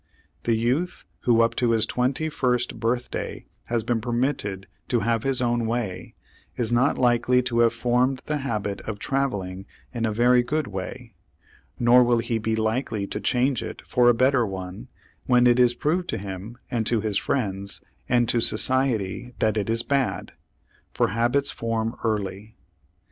The youth who up to his twenty first birthday has been permitted to "have his own way" is not likely to have formed the habit of traveling in a very good way; nor will he be likely to change it for a better one when it is proved to him and to his friends and to society that it is bad; for habits form early.